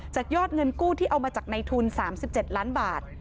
ยอดเงินกู้ที่เอามาจากในทุน๓๗ล้านบาท